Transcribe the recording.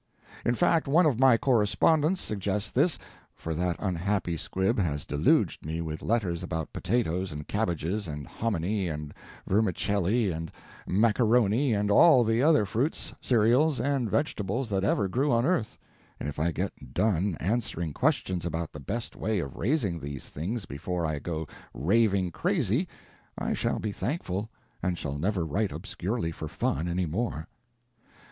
In fact, one of my correspondents suggests this (for that unhappy squib has deluged me with letters about potatoes, and cabbages, and hominy, and vermicelli, and maccaroni, and all the other fruits, cereals, and vegetables that ever grew on earth; and if I get done answering questions about the best way of raising these things before I go raving crazy, I shall be thankful, and shall never write obscurely for fun any more).